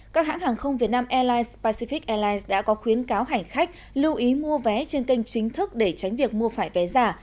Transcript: các hãng hàng không việt nam airlines pacific airlines đã có khuyến cáo hành khách lưu ý mua vé trên kênh chính thức để tránh việc mua phải vé giả